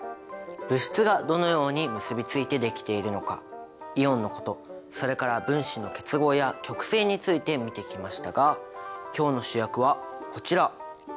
物質がどのように結びついてできているのかイオンのことそれから分子の結合や極性について見てきましたが今日の主役はこちら！